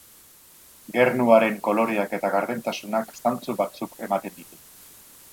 Gernuaren koloreak eta gardentasunak zantzu batzuk ematen ditu.